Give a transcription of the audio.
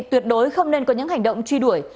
tuyệt đối không nên có những hành động truy đuổi